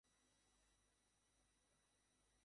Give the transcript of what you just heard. তারপর তার পিঠের দিকে তাকাতে তাকাতে ঘুরে এলাম।